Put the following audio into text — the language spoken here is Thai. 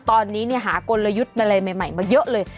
ตอนนี้หากลยุทธ์อะไรใหม่มาเยอะเลย